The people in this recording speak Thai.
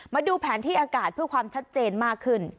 มาดูแผนที่อากาศเพื่อความชัดเจนมากขึ้น